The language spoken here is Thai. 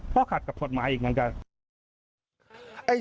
ก็ขัดกับผลตม้ายอีกเหมือนกัน